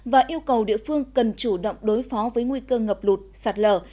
và yêu cầu địa phương cần chủ động đối phó với nguy cơ ngập lụt sạt lở